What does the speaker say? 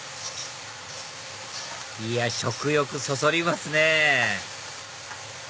いや食欲そそりますね！